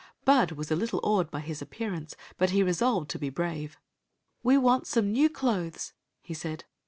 Bud was a little awed by his appearance, but he resolved to be brave " We want some new clothes," he said.